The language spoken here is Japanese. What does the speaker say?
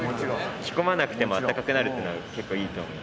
着込まなくても暖かくなるっていうのが結構いいと思う。